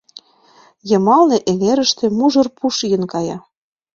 Йымалне, эҥерыште мужыр пуш ийын кая.